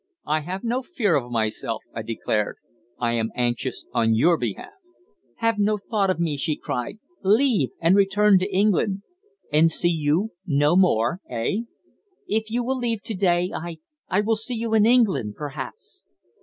"I have no fear of myself," I declared. "I am anxious on your behalf." "Have no thought of me," she cried. "Leave, and return to England." "And see you no more eh?" "If you will leave to day, I I will see you in England perhaps."